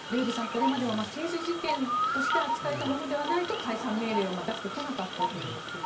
これまでは刑事事件として扱えたものでないと解散命令を出してこなかったということ。